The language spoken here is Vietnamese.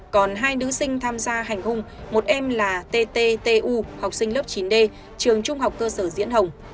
còn hai nữ sinh tham gia hành hung một em là ttu học sinh lớp chín d trường trung học cơ sở diễn hồng